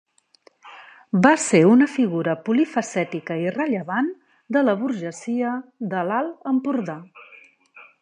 Va ser una figura polifacètica i rellevant de la burgesia de l'Alt Empordà.